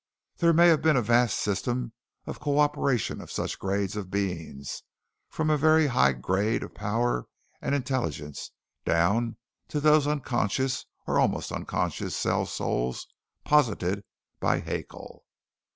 "... There may have been a vast system of co operation of such grades of beings, from a very high grade of power and intelligence down to those unconscious or almost unconscious cell souls posited by Haeckel....